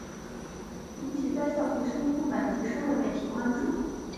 引起在校学生的不满及社会媒体关注。